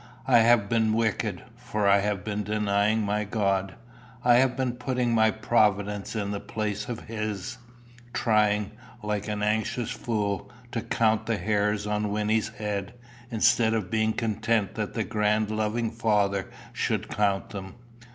I have been wicked, for I have been denying my God. I have been putting my providence in the place of his trying, like an anxious fool, to count the hairs on Wynnie's head, instead of being content that the grand loving Father should count them.